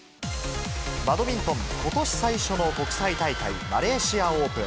バドミントン、ことし最初の国際大会、マレーシアオープン。